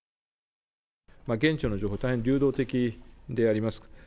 現地の状況、大変流動的であります。